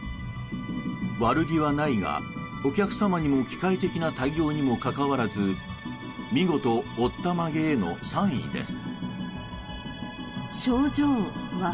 悪気はないがお客様にも機械的な対応にもかかわらず見事おったまげーの３位です。